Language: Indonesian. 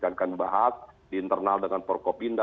dengan kamping bahag di internal dengan porco binda